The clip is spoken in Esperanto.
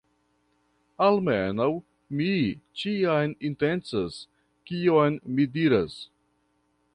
Almenaŭ, mi ĉiam intencas kion mi diras.